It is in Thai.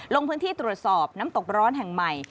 ลงพื้นที่ตรวจสอบน้ำตกร้อนแห่งใหม่